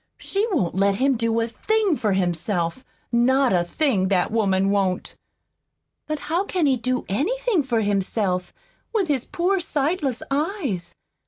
She won't let him do a thing for himself not a thing, that woman won't!" "But how can he do anything for himself, with his poor sightless eyes?"